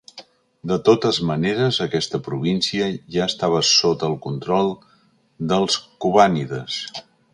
De totes maneres, aquesta província ja estava sota el control dels Cubànides.